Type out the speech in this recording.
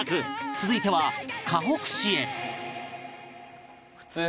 続いてはかほく市へ